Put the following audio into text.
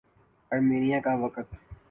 Armenia کا وقت